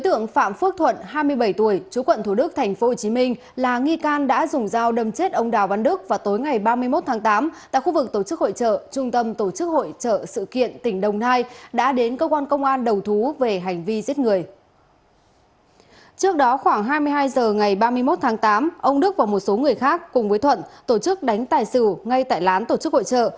trước đó khoảng hai mươi hai h ngày ba mươi một tháng tám ông đức và một số người khác cùng với thuận tổ chức đánh tài xử ngay tại lán tổ chức hội trợ